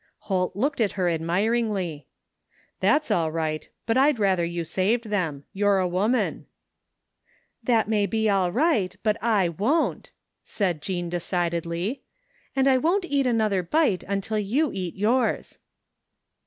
Holt looked at her admiringly. " That's all right, but I'd rather you saved them. You're a woman." " That may be all right, but I won't, '^ said Jean de cidedly, "and I won't eat another bite imtil you eat yours."